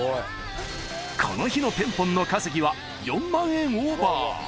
この日のペンポンの稼ぎは４万円オーバー